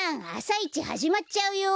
さいちはじまっちゃうよ。